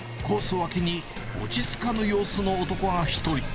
脇に落ち着かぬ様子の男が１人。